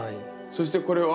そしてこれは？